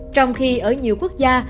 trong khi ở nhiều quốc gia